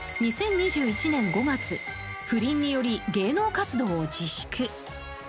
２０２１年５月不倫により芸能活動を自粛。